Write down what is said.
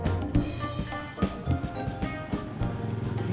kamu mau jalan sama bang udin